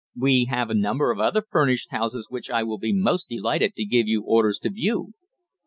We have a number of other furnished houses which I will be most delighted to give you orders to view."